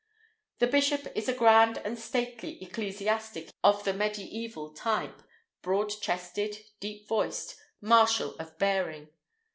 The bishop is a grand and stately ecclesiastic of the mediæval type, broad chested, deep voiced, martial of bearing.